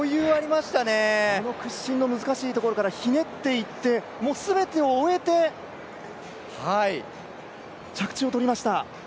この屈身の難しいところからひねっていってもう全てを終えて、着地をとりました。